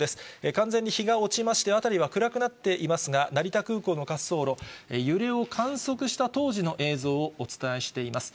完全に日が落ちまして、辺りは暗くなっていますが、成田空港の滑走路、揺れを観測した当時の映像をお伝えしています。